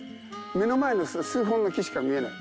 目の前の数本の木しか見えない。